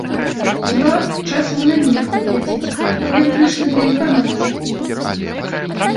Хіба, часам у навінах паглядзіць, але выключна для інфармацыі.